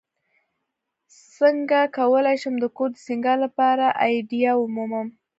uڅنګه کولی شم د کور د سینګار لپاره آئیډیا ومومم